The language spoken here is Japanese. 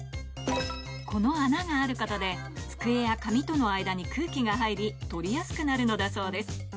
この穴があることで机や紙との間に空気が入り取りやすくなるのだそうです